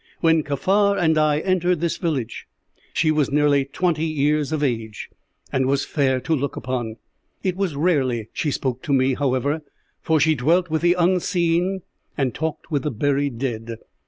"When Kaffar and I entered this village, she was nearly twenty years of age, and was fair to look upon. It was rarely she spoke to me, however, for she dwelt with the unseen and talked with the buried dead.